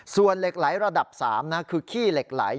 ส่วนเหล็กไหลระดับ๓คือขี้เหล็กไหล